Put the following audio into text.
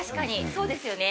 そうですよね。